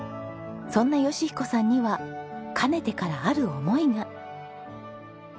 そんな義彦さんにはかねてからある思いが。